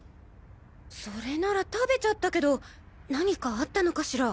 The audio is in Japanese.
それなら食べちゃったけど何かあったのかしら？